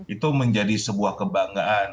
itu menjadi sebuah kebanggaan